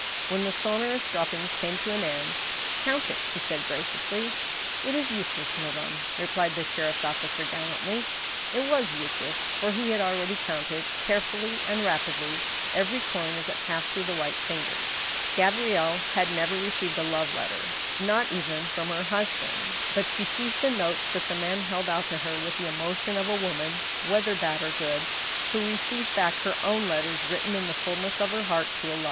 When the sonorous dropping came to an end —'" Count it," she said, graciously. " It is useless, madame," replied the sheriff's officer gallantly. It was useless, for he had already counted carefully and rapidly every coin as it passed through the white fingers. Gabrielle had never received a love letter, not even from her husband, but she seized the notes that the man held out to her with the emotion of a woman (whether bad or good) who receives back her own letters written in the fullness of her heart to a lover.